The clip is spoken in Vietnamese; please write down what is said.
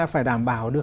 phải đảm bảo được